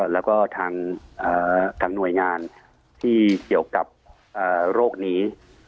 แล้วก็ทางหน่วยงานที่เกี่ยวกับโรคนี้